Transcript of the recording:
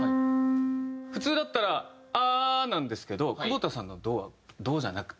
普通だったら「アー」なんですけど久保田さんの「ド」は「ド」じゃなくて。